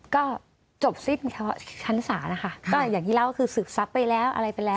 ก็จบสิ้นชั้นศาลนะคะก็อย่างที่เล่าก็คือศึกทรัพย์ไปแล้วอะไรไปแล้ว